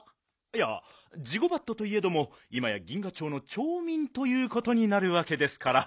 いやジゴバットといえどもいまや銀河町の町みんということになるわけですから。